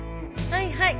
はいはい。